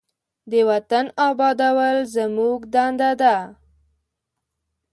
د وطن آبادول زموږ دنده ده.